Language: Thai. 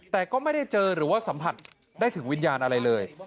แต่ก็ไม่ได้เจอหรือว่าสัมผัสได้ถึงวิญญาณอะไรเลย